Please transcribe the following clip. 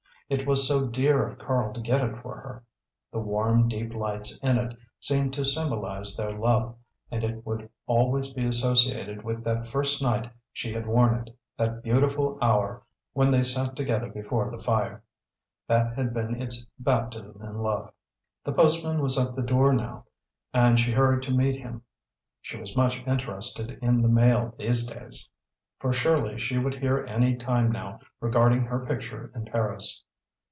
It was so dear of Karl to get it for her. The warm, deep lights in it seemed to symbolise their love, and it would always be associated with that first night she had worn it, that beautiful hour when they sat together before the fire. That had been its baptism in love. The postman was at the door now, and she hurried to meet him. She was much interested in the mail these days, for surely she would hear any time now regarding her picture in Paris.